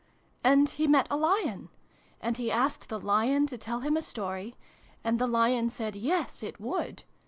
" And he met a Lion. And he asked the Lion to tell him a story. And the Lion said ' yes/ it would.